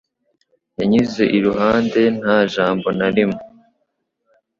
Yanyuze iruhande nta jambo na rimwe.